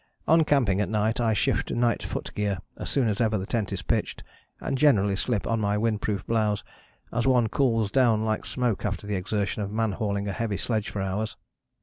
On camping at night I shift to night foot gear as soon as ever the tent is pitched, and generally slip on my windproof blouse, as one cools down like smoke after the exertion of man hauling a heavy sledge for hours.